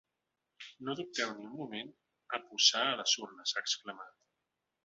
No dubteu ni un moment a posar a les urnes, ha exclamat.